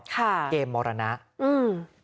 ค่ะเกมมรณะอืม